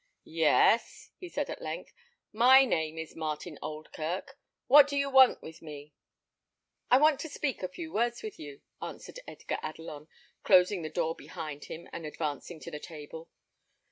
"Yes," he said, at length, "my name is Martin Oldkirk. What do you want with me?" "I want to speak a few words with you," answered Edgar Adelon, closing the door behind him, and advancing to the table.